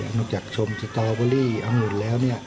มันจะชมสตรอเบอรี่อังหลุ่นแล้ว